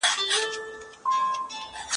هغه څوک چي کښېناستل کوي پوهه زياتوي.